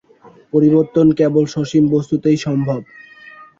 পরিবর্তন কেবল সসীম বস্তুতেই সম্ভব।